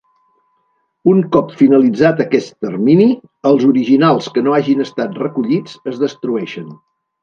Un cop finalitzat aquest termini, els originals que no hagin estat recollits es destrueixen.